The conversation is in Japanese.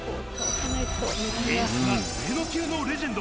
エースは上野級のレジェンド。